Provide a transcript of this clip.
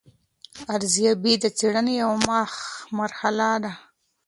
ارزیابي د څېړنې یوه مرحله ده.